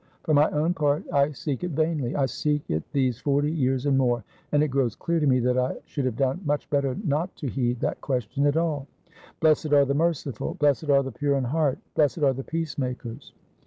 For my own part, I seek it vainly; I seek it these forty years and more; and it grows clear to me that I should have done much better not to heed that question at all. 'Blessed are the mercifulblessed are the pure in heartblessed are the peacemakers.'